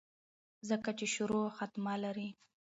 ځکه چې شورو او خاتمه لري